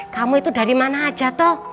kamu itu dari mana aja toh